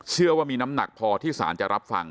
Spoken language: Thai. เชื่อว่ามีน้ำหนักพอที่สารจะรับฟัง